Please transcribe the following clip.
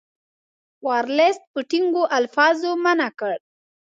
ورلسټ په ټینګو الفاظو منع کړ.